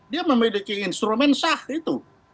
dia memiliki instrumen sah itu